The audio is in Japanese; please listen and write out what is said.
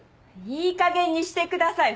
いいかげんにしてください！